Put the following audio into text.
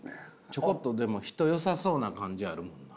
ちょこっとでも人よさそうな感じあるもんな。